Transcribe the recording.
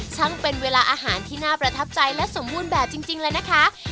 เป็นเวลาอาหารที่น่าประทับใจและสมบูรณ์แบบจริงเลยนะคะ